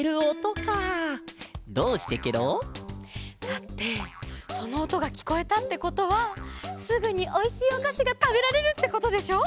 だってそのおとがきこえたってことはすぐにおいしいおかしがたべられるってことでしょ？